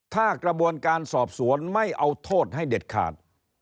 ถ้ากระบวนการสอบสวนไม่เอาโทษให้เด็ดขาด